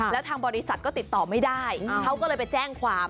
แล้วทางบริษัทก็ติดต่อไม่ได้เขาก็เลยไปแจ้งความ